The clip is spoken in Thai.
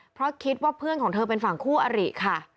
เพราะคิดว่าเพื่อนของเธอเป็นฝั่งคู่อริค่ะ